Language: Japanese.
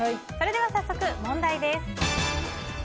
それでは問題です。